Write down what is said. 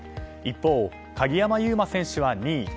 一方、鍵山優真選手は２位。